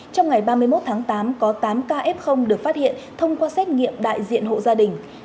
trong ngày ba mươi một tháng tám có tám ca f được phát hiện thông qua xét nghiệm đại diện hộ gia đình